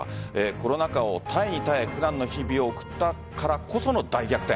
コロナ禍を耐えに耐え苦難の日々を送ったからこその大逆転。